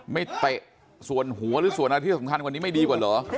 เตะส่วนหัวหรือส่วนอะไรที่สำคัญกว่านี้ไม่ดีกว่าเหรอ